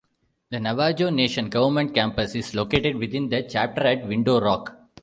The Navajo Nation Government Campus is located within the chapter at Window Rock.